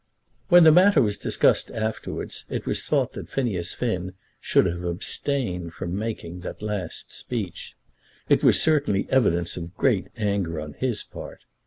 When the matter was discussed afterwards it was thought that Phineas Finn should have abstained from making the last speech. It was certainly evidence of great anger on his part.